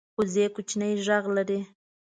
وزې کوچنی غږ لري